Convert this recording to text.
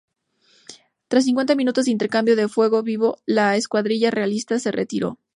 Tras cincuenta minutos de intercambio de fuego vivo, la escuadrilla realista se retiró.